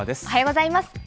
おはようございます。